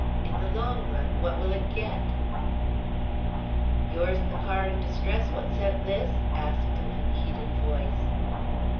In the long run, what will it get?" ("Yours the car in distress what sent this?" asked an unheeded voice.)